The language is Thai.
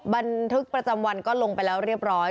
บันทึกประจำวันก็ลงไปแล้วเรียบร้อย